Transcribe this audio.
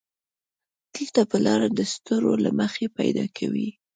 دلته به لاره د ستورو له مخې پيدا کوې.